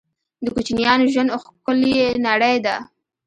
د کوچنیانو ژوند ښکلې نړۍ ده